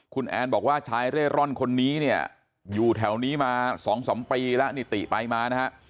คุณแอนบอกว่าชายเร่ร่อนคนนี้เนี่ยอยู่แถวนี้มา๒๓ปีแล้วนิติไปมานะฮะ